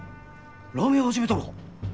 ラーメン屋始めたのか？